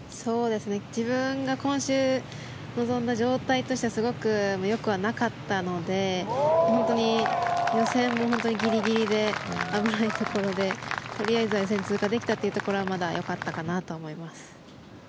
自分が今週、臨んだ状態としてはすごくよくはなかったので本当に予選もギリギリで危ないところでとりあえず予選通過できたというところはまだよかったかなと思います。